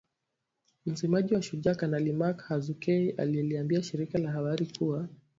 Msemaji wa Shujaa Kanali Mak Hazukay aliliambia shirika la habari kuwa